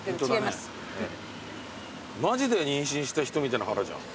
マジで妊娠した人みたいな腹じゃん。